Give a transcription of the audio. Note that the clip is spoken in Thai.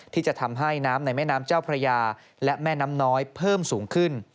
ที่จะทำให้น้ำในแม่น้ำเจ้าพระยาและแม่น้ำน้อยเพิ่มสูงขึ้น